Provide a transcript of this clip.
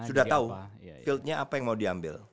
sudah tahu fieldnya apa yang mau diambil